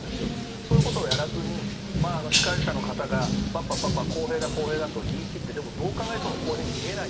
そういうことをやらずに司会者の方が公平だ公平だと言い切ってでも、どう考えても公平だと思えない